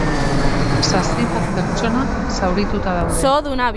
Zazpi bat pertsona zaurituta daude.